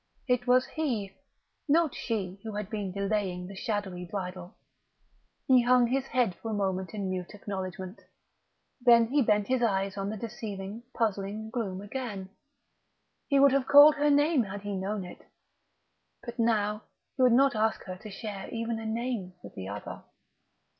It was he, not she, who had been delaying the shadowy Bridal; he hung his head for a moment in mute acknowledgment; then he bent his eyes on the deceiving, puzzling gloom again. He would have called her name had he known it but now he would not ask her to share even a name with the other....